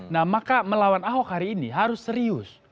nah maka melawan ahok hari ini harus serius